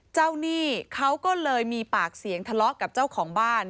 หนี้เขาก็เลยมีปากเสียงทะเลาะกับเจ้าของบ้าน